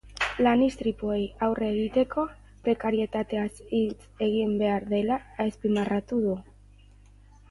Lan-istripuei aurre egiteko, prekarietateaz hitz egin behar dela azpimarratu du.